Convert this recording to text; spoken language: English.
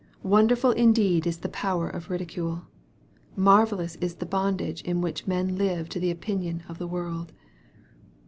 Wonderful indeed is the power of ridicule ! Marvellous is the bondage in which men live to the opinion of the world